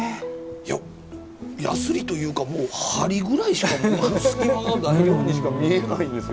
いややすりというかもう針ぐらいしか隙間がないようにしか見えないんですけどね。